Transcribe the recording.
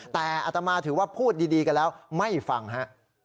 แต่อัตมาถือว่าพูดดีกันแล้วไม่ฟังฮะ